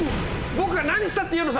僕が何したっていうのさ